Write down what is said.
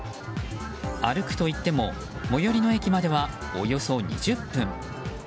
歩くといっても最寄りの駅まではおよそ２０分。